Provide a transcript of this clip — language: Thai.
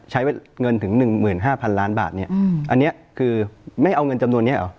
ใช้ไว้เงินถึงอัน๑๕๐๐๐ล้านบาทอะนี่คือไม่เอาเงินจำนวนนี้หรอก